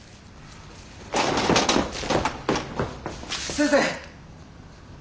先生！